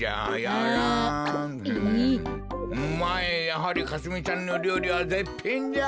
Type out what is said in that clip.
やはりかすみちゃんのりょうりはぜっぴんじゃ。